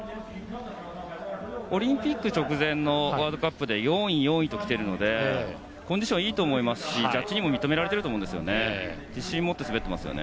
オリンピック直前のワールドカップで４位、４位ときているのでコンディションいいと思いますしジャッジにも認められていると思います。